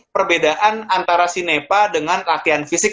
perbedaan antara si nepa dengan latihan fisik